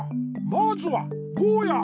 まずはぼうや。